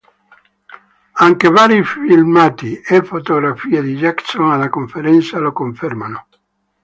Anche vari filmati e fotografie di Jackson alla conferenza lo confermano.